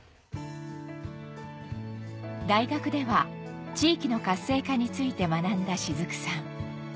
大学では地域の活性化について学んだ雫さん